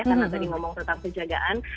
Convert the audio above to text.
karena tadi ngomong tentang penjagaan